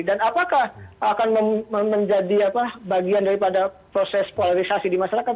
dan apakah akan menjadi bagian daripada proses polarisasi di masyarakat